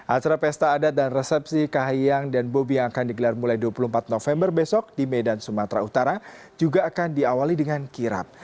acara pesta adat dan resepsi kahayang dan bobi yang akan digelar mulai dua puluh empat november besok di medan sumatera utara juga akan diawali dengan kirap